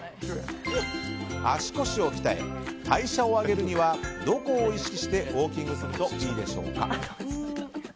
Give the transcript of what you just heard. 足腰を鍛え、代謝を上げるにはどこを意識してウォーキングをするといいでしょうか？